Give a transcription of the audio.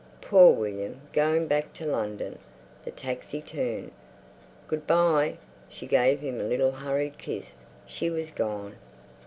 Poor William, going back to London." The taxi turned. "Good bye!" She gave him a little hurried kiss; she was gone.